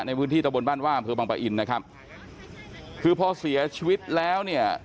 ในพื้นที่ตะบนบ้านว่าอำเภอบังปะอินนะครับคือพอเสียชีวิตแล้วเนี่ย